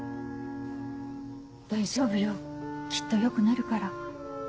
大丈夫よきっと良くなるから。